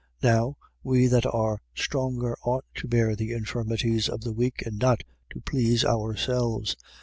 15:1. Now, we that are stronger ought to bear the infirmities of the weak and not to please ourselves.